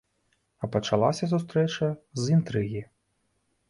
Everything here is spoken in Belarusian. А пачалася сустрэча з інтрыгі.